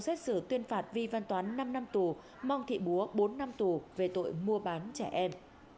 xét xử tuyên phạt vi văn toán năm năm tù mong thị búa bốn năm tù về tội mua bán trẻ em